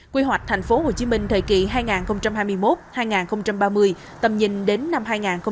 quy hoạch thành phố hồ chí minh thời kỳ hai nghìn hai mươi một hai nghìn ba mươi tầm nhìn đến năm hai nghìn năm mươi